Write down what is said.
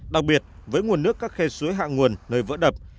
đặc biệt với nguồn nước các khe suối hạng nguồn nơi vỡ đập